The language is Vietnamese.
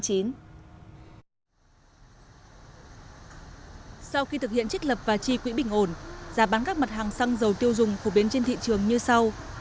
sau khi thực hiện trích lập và chi quỹ bình ổn giá bán các mặt hàng xăng dầu tiêu dùng phổ biến trên thị trường như sau